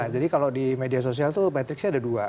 jadi kalau di media sosial itu matrixnya ada dua